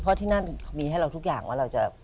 เพราะที่นั่นมีให้เราทุกอย่างว่าเราจะ